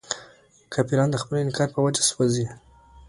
کافران د خپل انکار په وجه سوځي.